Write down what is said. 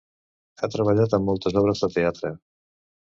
Ha treballat en moltes obres de teatre.